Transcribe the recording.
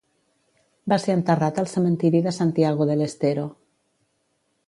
Va ser enterrat al cementiri de Santiago del Estero.